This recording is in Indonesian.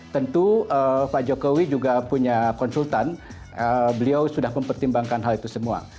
tentu pak jokowi juga punya konsultan beliau sudah mempertimbangkan hal itu semua